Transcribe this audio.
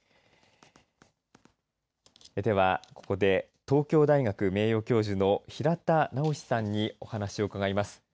では、ここで東京大学名誉教授の平田直さんにお話を伺います。